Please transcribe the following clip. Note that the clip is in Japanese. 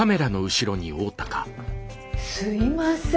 すいません。